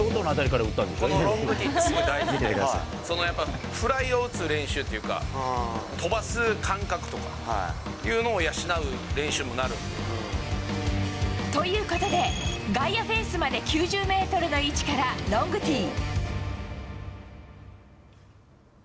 このロングティーってすごい大事で、そのやっぱりフライを打つ練習っていうか、飛ばす感覚とかいうのを養う練習にもなるんで。ということで、外野フェンスまで９０メートルの位置からロングティー。